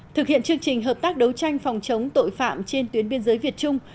thực hiện chương trình hợp tác đấu tranh phòng chống tội phạm trên tuyến biên giới việt trung